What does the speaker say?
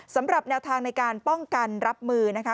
สำหรับแนวทางในการป้องกันรับมือนะคะ